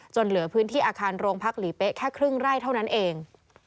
เหลือพื้นที่อาคารโรงพักหลีเป๊ะแค่ครึ่งไร่เท่านั้นเอง